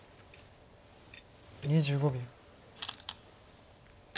２５秒。